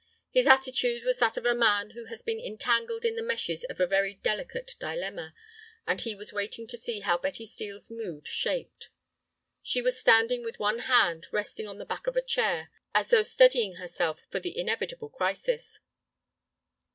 His attitude was that of a man who has been entangled in the meshes of a very delicate dilemma, and he was waiting to see how Betty Steel's mood shaped. She was standing with one hand resting on the back of a chair, as though steadying herself for the inevitable crisis.